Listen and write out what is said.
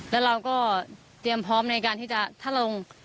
แล้วเราก็เตรียมพร้อมในการที่จะถ้าลง